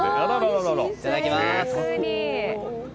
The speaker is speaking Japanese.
いただきます。